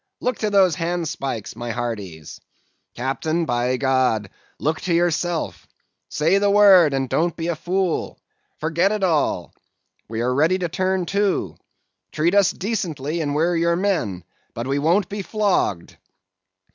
look to those handspikes, my hearties. Captain, by God, look to yourself; say the word; don't be a fool; forget it all; we are ready to turn to; treat us decently, and we're your men; but we won't be flogged.